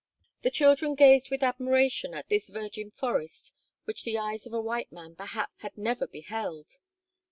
The children gazed with admiration at this virgin forest which the eyes of a white man perhaps had never beheld.